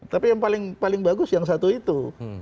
tapi yang paling bagus yang satu itu